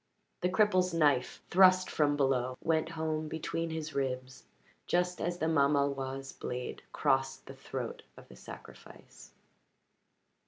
The cripple's knife, thrust from below, went home between his ribs just as the mamaloi's blade crossed the throat of the sacrifice.